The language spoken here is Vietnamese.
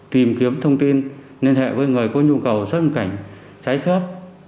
tìm kiếm thông tin liên hệ với người có nhu cầu xuất nhập cảnh trái phép